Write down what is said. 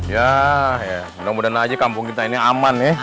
ya mudah mudahan aja kampung kita ini aman ya